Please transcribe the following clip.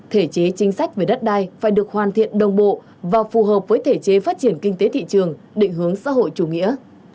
thể chế chính sách về đất đai phải được hoàn thiện đồng bộ và phù hợp với thể chế phát triển kinh tế thị trường định hướng xã hội chủ nghĩa